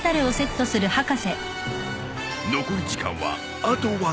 残り時間はあとわずか。